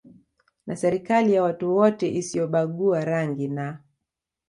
na serikali ya watu wote isiyobagua rangi na